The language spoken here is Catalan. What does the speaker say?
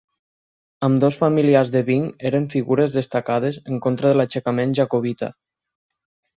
Ambdós familiars de Byng eren figures destacades en contra de l'aixecament jacobita.